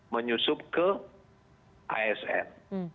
menyusup ke asn